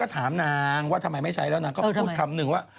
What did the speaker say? ถามนางว่าทำไมไม่ใช้แล้วนางก็ไปพูดคำหนึ่งว่า